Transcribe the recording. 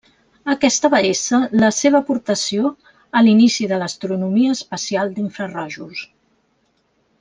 Aquesta va ésser la seva aportació a l'inici de l'astronomia espacial d'infrarojos.